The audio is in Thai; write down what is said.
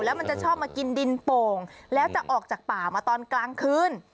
แล้วมันจะชอบมากินดินโป่งแล้วจะออกจากป่ามาตอนกลางคืน